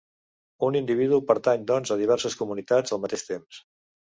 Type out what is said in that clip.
Un individu pertany, doncs, a diverses comunitats al mateix temps.